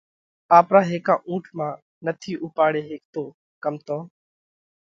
آپرا هيڪا اُونٺ مانه نٿِي اُوپاڙي هيڪتو ڪم تو